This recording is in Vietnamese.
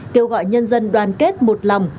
kêu gọi nhân dân đoàn kết một lòng